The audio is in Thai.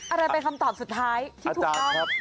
อะไรเป็นคำตอบสุดท้ายที่ถูกเอาอาจารย์ครับ